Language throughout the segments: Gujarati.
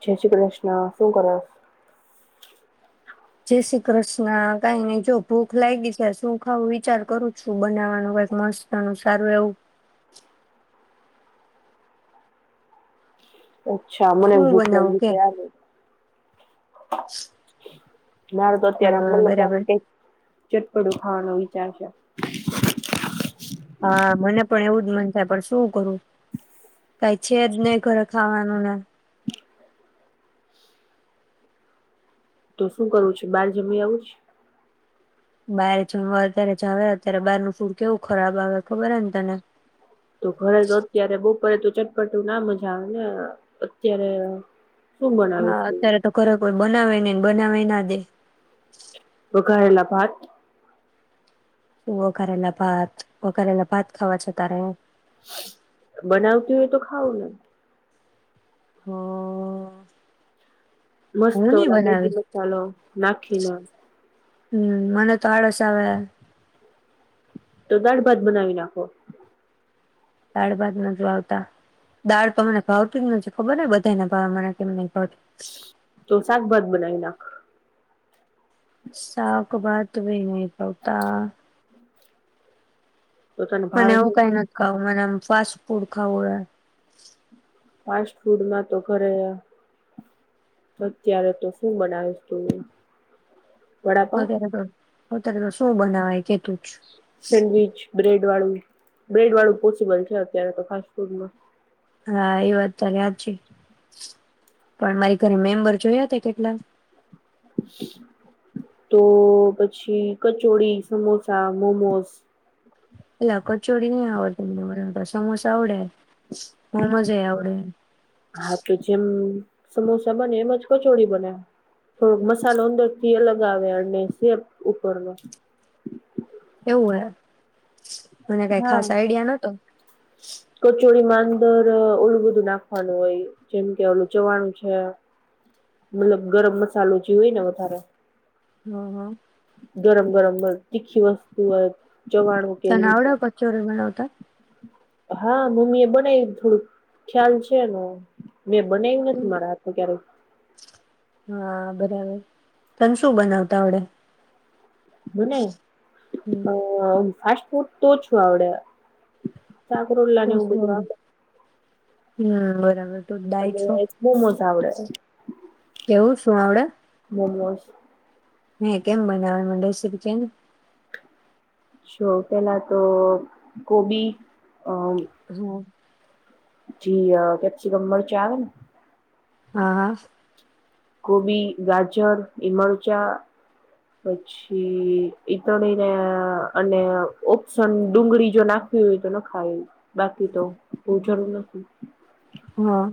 જય શ્રી કૃષ્ણ, શું કરો? જય શ્રી કૃષ્ણ કઈ નઈ જો ભૂખ લાયગી છે શું ખાવું વિચાર કરું છું બનાવવાનું કઈક મસ્ત ન સારું એવું અચ્છા મને શું ભૂખ બનાવું લાગી કે છે આજે દાર તો અત્યારે હા [unintelligible] બરાબર ચટપડું ખાવાનું વિચાર છે. હા મને પણ એવું જ મન થાય પણ શું કરું કઈ છે જ નહી ઘરે ખાવાનું ને. તો શું કરવું છે બહાર જમી આવું છે? બાર જમવા અત્યારે જાવ અત્યારે બહારનું ફૂડ કેવું ખરાબ આવે ખબર અહે ને તને? તો ઘરે તો અત્યારે બવ પરંતુ ચટપટું ના મજા આવે ને અત્યારે શું બનાવીશ હા તું અત્યારે તો ઘરે કો બનાવે નઇ બનાવા ના દે. ગયેલા બાર? વઘારેલા ભાત વઘારેલા ભાત ખાવા છ તારે એઇ? [inaudible] બનાવતી હોય તો ખાવ ને. હ મસ્ત ઓલા મેગી મસાલો નાખીને હમ્મ મને તો આળસ આવે. તો દાઢ ભાત બનાવી નાખો. દાળ ભાત નથ ભાવતા દાળ તો મને ભાવતી જ નથી ખબર બધા ને ભાવ મને કેમ નય. તો શાકભાત બનાવી નાખ. સાક ભાત ભી નહી ભાવતા. તો તને મને ભાવે છે આવું કઈ નથ ખાવું મને આમ ફાસ ફૂડ ખાવુ હે. ફાસ્ટ ફૂડમાં તો ઘરે અત્યારે તો શું બનાવીશ તું હ. વઘારેલો અત્યારે તો શું બનાવાય કે સેડવિચ, બ્રેડ બ્રેડ વાળું, બ્રેડ વાળું ઓછું બને છે. અત્યારે તો ફાસટ ફૂડ માં હા, એ વાત તો તારી હાચી, પણ મારી ઘરે મેમ્બર જોયા તે કેટલા તો પછી કચોડી, સમોસા, મોમોસ અલા કચોડી ની આવડતી મને વળાવતા, સમોસા આવડે. મોમોજ એ આવડે. હા તો જેમ સમોસા બને, એમજ કચોડી બને. થોડોક મસાલો અંદર થી અલગ આવે અને સેપ ઉપરનો હોવે. હા કચોડી મા અંદર ઓલું બધું નાખવાનું હોય, જેમ કે ઓલું ચવાણું છે. મતલબ ગરમ મસાલો જે હોય ને વધારે હા હા. ગરમ ગરમ તીખી વસ્તુઓ તને આવડે કચોરી બનાવતા? હા, મમ્મી એ બનાવી થોડુંક ખ્યાલ છે એનો. મેં બનાયું નથી, મારા હાથ થી ક્યારેક. હા બરાબર. તને શું બનાવતા આવડે? મને હમ અ. ફાસ્ટ ફૂડ તો ઓછું આવડે. શાક રોટલા ને એવું બધું આવડે. હ અ અને બરાબર. મોમોઝ આવડે કેવું શું આવડે? [inaudible] હઅ કેમ બનાવે, એમાં રેસીપી કે ને. સો પેલા તો કોબી. અ હ અ જી અ કેપ્સિકમ મરચા આવે ને. હા, હા કોબી, ગાજર એ મરચા પછી ઈ તળીને અને ઓપ્શન ડુંગળી જો નાખવી હોય તો નખાય બાકી તો અ જરૂર નથી. હા.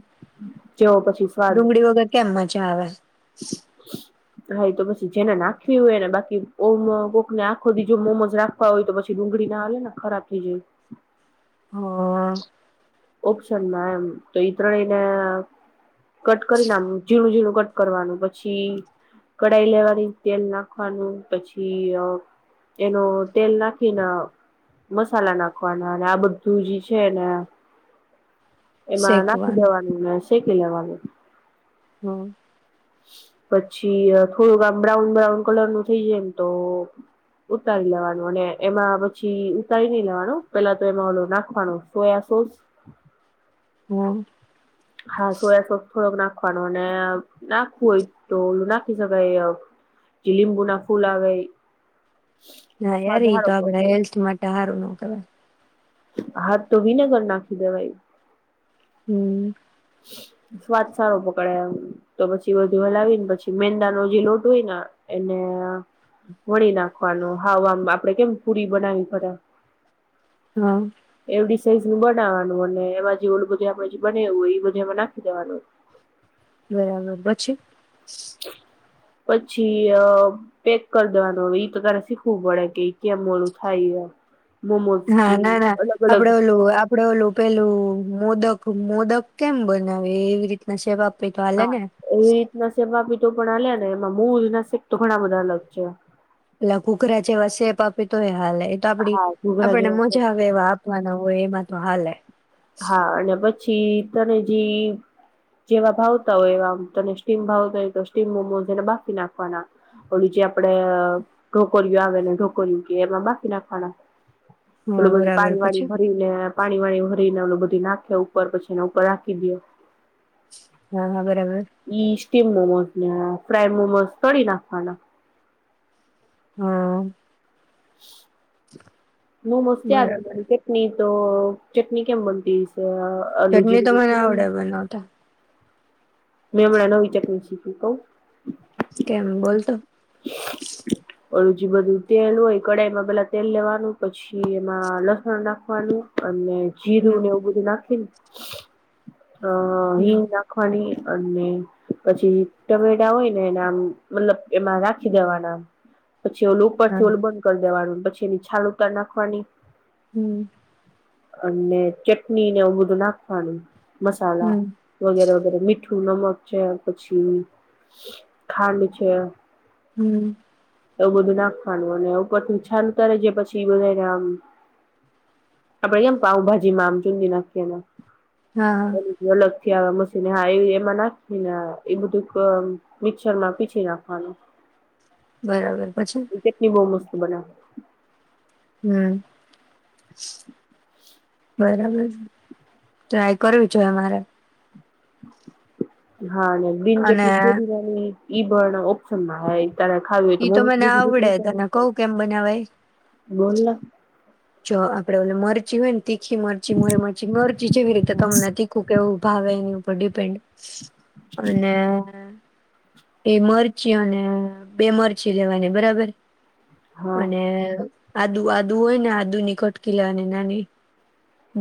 જેવો પછી સ્વાદ ડુંગળી વગર કેમ મજા આવે? [inaudible] હા એ તો પછી જેને નાખવી હોય ને, બાકી ઓમ અ કોકને આખો દિ જો મોમોજ રાખવા હોય, તો પછી ડુંગળી ના આવે ને ખરાબ થઈ જાય. હા. ઓપ્શન માં એમ. તો ઈ ત્રણેય ના કટ કરી ને આમ, ઝીણું ઝીણું કટ કરવાનું પછી, કડાઈ લેવાની તેલ નાખવાનું પછી અ એનો તેલ નાખીને મસાલા નાખવાના અને આ બધું જી છે એ ને એમાં નાખી શેકવાનું દેવાનું [unintelligible] શેકી લેવાનું. હા. પછી થોડુંક આમ બ્રાઉન બ્રાઉન કલર નું થઈ જાયને તો ઉતારી લેવાનું અને એમાં પછી ઉતારી નહીં લેવાનું પેલા તો એમાં ઓલું નાખવાનું સોયા સોસ હા. હા સોયા સોસ થોડોક નાખ નાખવાનું અને નાખવું હોય તો ઓલું નાખી શકાય અ જે લીંબુના ફૂલ આવે. ના યાર સ્વાદ ઈ તો હારો આપણા પકડે હેલ્થ માટે હારું નો [unintelligible] હા તો વિનેગર નાખી દેવાય. હમ્મ. સ્વાદ સારો પકડાય એમ તો પછી બધું હલાવીને પછી મેંદા નો જી લોટ હોય ના એને વણી નાખવાનો હાવ આમ આપણેે કેમ પુરી બનાવી પડે હા. સાઈઝ નું બનાવવાનું અને એમાં જી ઓલું બધું આપણે જી બનાયું હોય ઈ. બધુ એમાં નાખી દેવાનું. બરાબર પછી? પછી અહ પેક કર દેવાનું હવે ઈ તો તારે શીખવું પડે કે ઈ કેમ ઓલું થાય એમ. મોમોઝ હા જેવી ના ના અલગ અલગ આપણે ઓલું આપણે ઓલું પેલું મોદક મોદક કેમ બનાવે એવી રીતના સેબ આપ હા એવી રીતના સેપ આપી તો પણ હાલેને. પણ એમાં મૂલ નસિક તો ઘણા બધા અલગ છે એમ. પાપે તોયા. હાલે એ તો આપણી હા ઘૂઘરા આપણને જેવા મજા આવે એવા આપવાના હોય. હો એમાં તો હાલે. હા અને પછ છી તને જી જેવા ભાવતા હોય એવા તને સ્ટીમ ભાવતા હોય તો સ્ટીમ મોમોઝ એને બાફી નાખવાના ઓલું જે આપણેે અહ ઢોકળિયો આવે એને ઢોકળીયું કહે એમાં બાફી નાખવાના. હા ઓલું બધું બરાબર પાણી વાણી પછી ભરીને. પાણી વાણી ભ રીને ઓલું બધી નાખે ઉપર પછી એના ઉપર રાખી દયે. હા હવે [unintelligible] સ્ટીમ મોમોઝ ને આ ફ્રાઇડ મોમોઝ તળી નાખવાના. હા. મોમોઝ તૈયાર બરાબર [unintelligible] ચટની તો ચટણી કેમ બનતી? છે આલું જે ચટણી તો બધું મને તેલ આવડે બનાવતા. મેં હમણાં નવી ચટણી શીખી કહું? કેમ બોલતો [inaudible] ઓલું જે બધું તેલ હોય કઢાઈમાં પેલા તેલ લેવાનું પછી એમાં લસણ નાખવાનું અને જીરું હમ ને એવું બધું નાખી ને [inaudible] હ હિ હમ રાખવાણી અને પછી ટમેટા હોય ને એનામ મતલબ એમાં રાખી દેવાના પછી ઓલું હા ઉપરથી ઓલું બંધ કરી દેવાનું પછીની છાલુતર નાખવાની હમ અને ચટણી ને એું બધું નાખવાનું મસાલા હમ વગેરે વગેરે મીઠ નમક છે પછી ખાંડ છે. હમ. એવું બધું નાખવાનું અને ઉપ ઉપરથી છાનતરે જે પછી બધનેમ. આપણેે કેમ પઉભાજીમાં આમ ચુંંદ નાખીએ હા. મશીને હા એ એમાં નાખીને એ બધું મિક્ચરમાં પીસી નાખવાનું. બરાબર પછી. ખ બરા. [inaudible] હમ. [unintelligible] બરાબર ટ્રાય કરવી જોએ મારે. હા અને બીન અને ચટણી કો દિવાની એ બણ ઓપસમા તારે ખાવી ઈ તો મને આવડે હોય તને કઉ તો કેમ બનાવાય બોલ ને. જો આપડે ઓલે મરચી હોય ને તીખી મરચી મોરે મરચ મરજીી જે વિી રીતે તમને તથી તિતસ કે એવું ભાવે એની ઉપર ડિપેન્ડ. અને એ મરચી અને બે મરચી લેવાની બરાબર હા અને આદુ આદુ હોય ને આ દુની કટકી લેવાની નાની.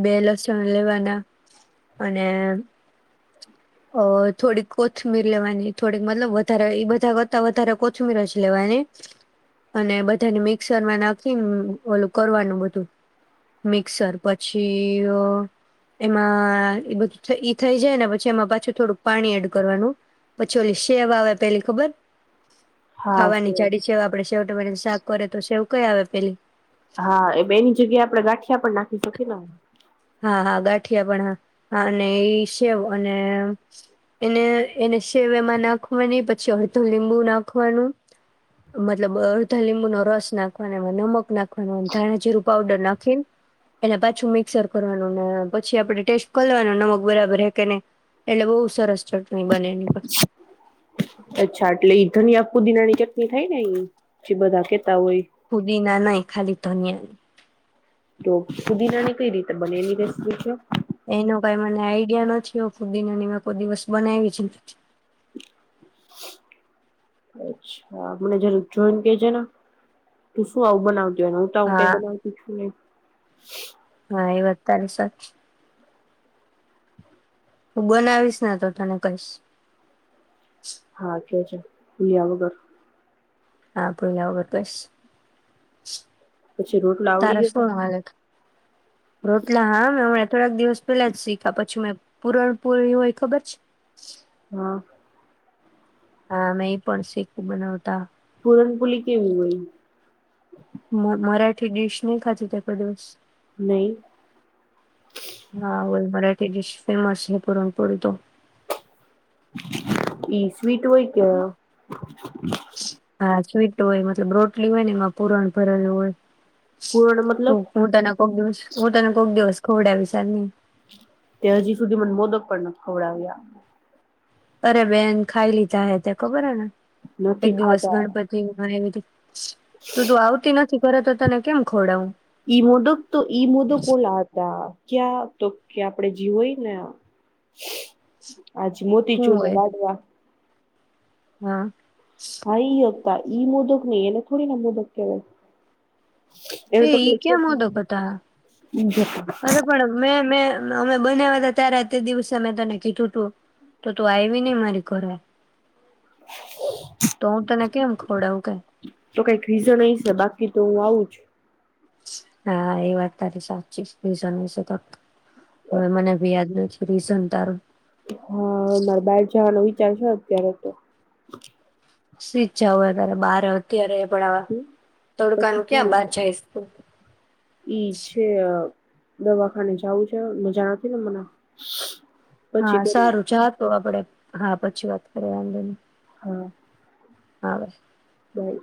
બે લસણ લેવાના અને અ થોડીક કોથમીર લેવાની થોડીક મતલબ વધારે એ બધા કરતા વધારે કોથમીર જ લેવાની અને બધાને મિક્સરમાં નાખીને ઓલું કરવાનું બધું મિક્સર પછી અ એમાં એ બધું થઈ જાય ને પછી એમાં પાછું થોડુંક પાણી એડ કરવાનું પછી ઓલી સેવ આવે પેલી ખબર? હા ખાવાની જાડી શેવ આપડે શેવ ટમેટા નું શાક કરે તો શેવ. કઈ આવે પેલી? હા એ બેની જગ્યાએ આપડણે ગાંઠિયા પણ નાખી શકીએ ને? હા હા ગાંઠિયા પણ હા અને એ સેવ અને એને એને સેવમાં નાખવાની પછી અડધું લીંબુ નાખવાનું મતલબ અડધો લીંબુનો રસ નાખવાનોમાં નમક નાખવાનો ધાણાજીીરું પાવડર નાખી એને પાછું મિક્સર કરવાનું ને પછી આપણે ટેસ્ટ કર લેવાનું નમક બરાબર હે કે નઇ એટલે બહુ સરસ ચટણી બને એની. અચ્છા એટલે ઈ ધનિયા પુદીનાની ચટણી થાય ને? જે બધા કે પુદી ના નહી ખાલી ધનીયા. તો પુદીના ની કઈ રીતે બને એની રેસીપી કયો. એનો કઈ મને આઈડિયા નથી હો ફુદીનાની મેં કોઈ દિવસ બનાવી છે નથી. અચ્છા મને જરા [inaudible] કે જે ને તું શું આવું બનાવ જો હું તો હું કઈ હા બનાવતી છું નહી. [unintelligible] હા ઈવાત તારી સાચિ. હું બનાવીશને તો તને કહીશ. હા કે છે. યા વગર હા પી લ તો પછી રોટલો આવડી તારા ગયો શું તને માલ રોટલા હા મે થોડાક દિવસ પેલા જ શીખા પછી મે પુરણ પૂરણ હોય ખબર છે હા હા મે પણ શીખું બનાવતા પુરનપોલી કેવી હોય મરાઠી ડીશ નહી ખાતી ત દિવસ નહી હા હોય મને તે ડડીશ ફેમસ હ પૂરણ પોડિ એ [inaudible] વીટ હોય ક હા સ્વીટ હોય મતલબ રોટલી હોય ને એમાં પુરાણ ભરેલું હોય પૂરણ મતલબ તું હું તને કોક દિવસ હું તને કોક દિવસ ખોડ્યા વિશારની તે હજી સુધી મને મોદક પણ ન ખવડાવ્યા અરે બેન ખાઈ લીધા હે તે ખબર હે ને એક નથી દિવસ ખાધા ગણપતિમાં આઇવિ તિ તું તું આવતી નથી કરે તો તને કેમ ખોડાવું ઈ મુદક તો ઈ મુદ ઓલા હતા ક્યાં તો કે આપણે જીવોયને આજ મોતી ચૂર ના લઢવા હમ હાઈ ઈ મોદક નહી એલે થોડી ના મોદક કેહેવાય એ ઈ ક્યાં મોદક હતા. અરે પણ મે મે અમે બનાયવા હતા ત્યારે તે દિવસે મે તને કીધું તું, તો તું આયવી નઈ મારી ઘરે, તો હું તને કેમ ખવડાવું કાય. તો કાઈક રિઝન હોઈસ ને બાકી તો હું આવું જ. હા, એ વાત તારી સાચી. રીઝન વિશે તો હવે મને ભી યાદ નથી. રીઝન તારું હા અ મારે બાર જવાનો વિચાર છે અત્યારે તો શી ઈછા અવે ત્યારે બાર અત્યારે પણ હ અ, પછી તડકાનું ક્યાં ક્યારે બહાર જાય. જઈશ તું ઈ છે અ દવાખાને જાવું છે, મજા આવતી રે મને પછી હા કરી દે સારું ચાલ તો આપડે હા, પછી વાત કરયે અંદરની. હા હા બસ બાય